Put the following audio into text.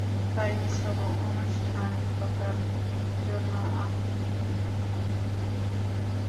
তাই নিছক আনুষ্ঠানিকতার জন্য আপনাদের সবার মতামত চাই আমি।